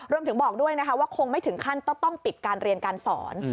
บอกด้วยนะคะว่าคงไม่ถึงขั้นต้องปิดการเรียนการสอน